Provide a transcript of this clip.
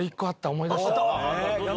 思い出した。